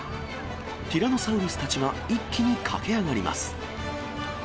ティラノサウルスたちが一気に駆け上がります。